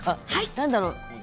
何だろう。